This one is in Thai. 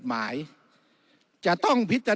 วุฒิสภาจะเขียนไว้ในข้อที่๓๐